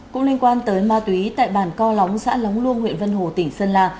cũng liên quan tới ma túy tại bàn co lóng xã lóng luông huyện vân hồ tỉnh sơn là